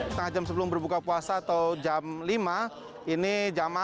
setengah jam sebelum berbuka puasa atau jam lima